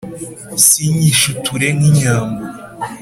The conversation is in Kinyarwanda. sinyishiture nk'inyambo